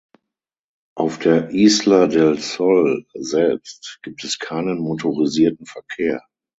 Auf der Isla del Sol selbst gibt es keinen motorisierten Verkehr.